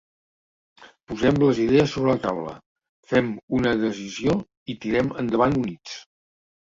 Posem les idees sobre la taula, fem una decisió i tirem endavant units.